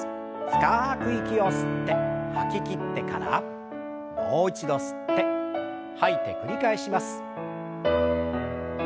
深く息を吸って吐ききってからもう一度吸って吐いて繰り返します。